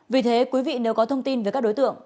vì thế quý vị nếu có thông tin về các đối tượng